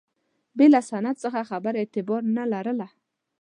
بې له سند څخه خبره اعتبار نه لرله.